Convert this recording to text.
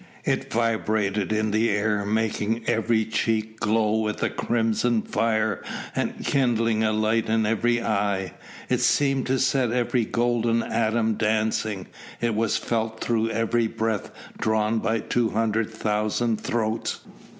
It vibrated in the air making every cheek glow with a crimson fire and kindling a light in every eye. It seemed to set every golden atom dancing, it was felt through every breath drawn by two hundred thousand throats.